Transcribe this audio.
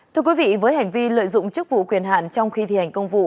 thưa quý vị với hành vi lợi dụng chức vụ quyền hạn trong khi thi hành công vụ